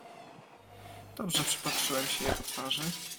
"Dobrze przypatrzyłem się jego twarzy."